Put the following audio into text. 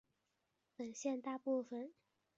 本县大部份土地均由印第安人保留地组成。